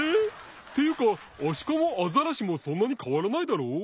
っていうかアシカもアザラシもそんなにかわらないだろう？